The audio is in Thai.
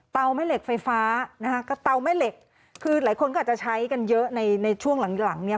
เตาแม่เหล็กไฟฟ้านะครับก็เตาแม่เหล็กคือหลายคนก็จะใช้กันเยอะในช่วงหลังเนี่ย